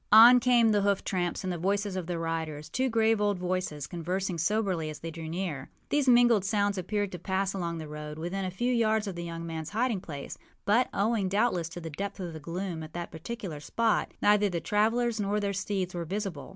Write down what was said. On came the hoof tramps and the voices of the riders, two grave old voices, conversing soberly as they drew near. These mingled sounds appeared to pass along the road, within a few yards of the young manâs hiding place; but, owing doubtless to the depth of the gloom at that particular spot, neither the travellers nor their steeds were visible.